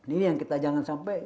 ini yang kita jangan sampai